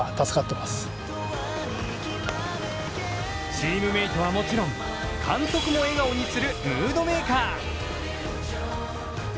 チームメートはもちろん監督も笑顔にするムードメーカー。